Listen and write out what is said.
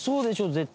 絶対。